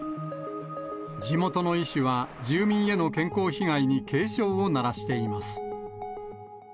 地元の医師は住民への健康被害に警鐘を鳴らしています。